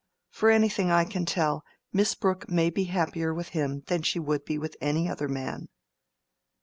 For anything I can tell, Miss Brooke may be happier with him than she would be with any other man."